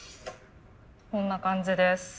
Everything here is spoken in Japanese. こんな感じです。